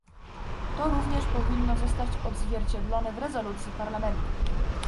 To również powinno zostać odzwierciedlone w rezolucji Parlamentu